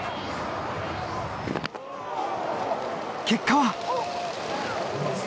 結果は。